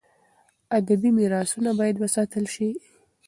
. ادبي میراثونه باید وساتل سي.